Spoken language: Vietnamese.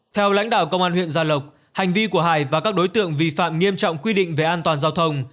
theo lãnh đạo công an huyện gia lộc hành vi của hải và các đối tượng vi phạm nghiêm trọng quy định về an toàn giao thông